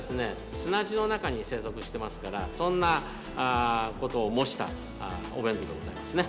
砂地の中に生息してますからそんなことを模したお弁当でございますね。